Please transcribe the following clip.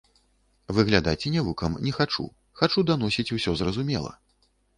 Выглядаць невукам не хачу, хачу даносіць усё зразумела.